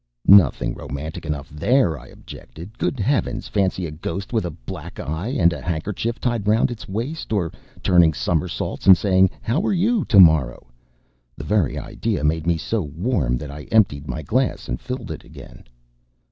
"Nothing romantic enough there," I objected. "Good heavens! Fancy a ghost with a black eye and a handkerchief tied round its waist, or turning summersaults, and saying, 'How are you to morrow?'" The very idea made me so warm that I emptied my glass and filled it again.